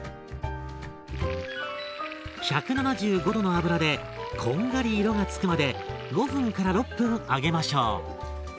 １７５℃の油でこんがり色が付くまで５分から６分揚げましょう。